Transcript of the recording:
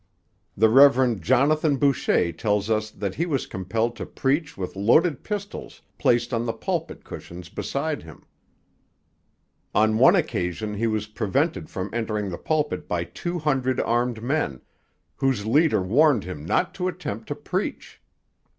The Rev. Jonathan Boucher tells us that he was compelled to preach with loaded pistols placed on the pulpit cushions beside him. On one occasion he was prevented from entering the pulpit by two hundred armed men, whose leader warned him not to attempt to preach.